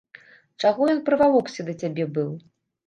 Чаго ён прывалокся да цябе быў?